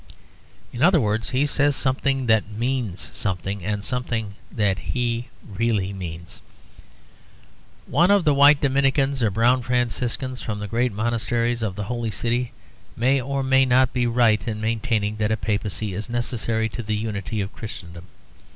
In other words, he says something that means something, and something that he really means. One of the white Dominicans or brown Franciscans, from the great monasteries of the Holy City, may or may not be right in maintaining that a Papacy is necessary to the unity of Christendom.